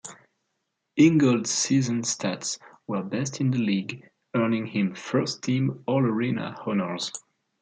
Ingold's season stats were best in the league, earning him First Team All-Arena Honors.